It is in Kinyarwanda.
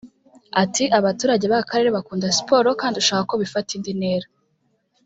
Ati “Abaturage b’aka karere bakunda siporo kandi dushaka ko bifata indi ntera